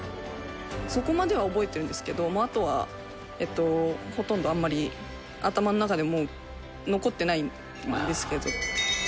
そこまでは覚えてるんですけどもう、あとはほとんどあんまり、頭の中にもう残ってないんですけど。